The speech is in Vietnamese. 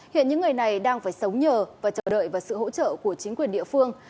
hiện những người này đang phải sống nhờ và chờ đợi vào sự hỗ trợ của chính quyền địa phương